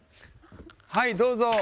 はいどうぞ。